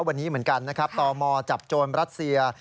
วันนี้เหมือนกันนะครับตมจับโจรรัสเซีย